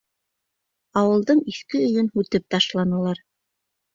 Ауылдың иҫке өйөн һүтеп ташланылар.